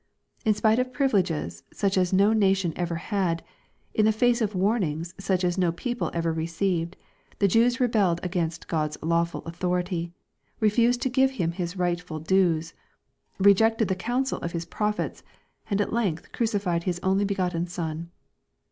In spite of privileges, such as no nation ever had, in the face of warnings such as no peo ple ever received, the Jews rebelled against God's lawful authority, refused to give Him His rightful dues, rejected the counsel of His prophets, and at length crucified His only begotten Son.